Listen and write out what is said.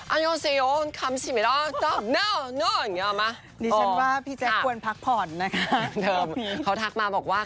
อัโยเซโยคัมชิเมดอจอบเน่าเน่าอย่างงี้เอามา